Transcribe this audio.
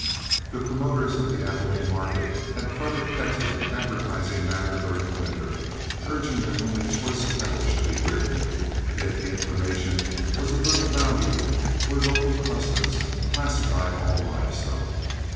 The promoters of the Abilene market had flooded Texas with advertising matter during the winter, urging that only choice cattle should be driven, yet the information was of little value where local customs classified all live stock.